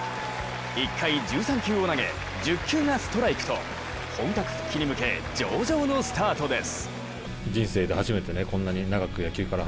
１回１３球を投げ１０球がストライクと本格復帰に向け上々のスタートです。